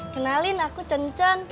kenalin aku cen cen